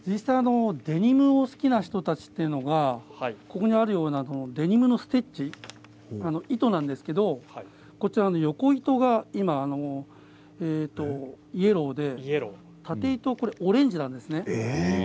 デニムが好きな人たちというのはここにあるようなデニムのステッチ糸なんですが横糸がイエローで縦糸はオレンジなんですね。